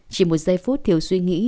chỉ một giây phút thiếu suy nghĩ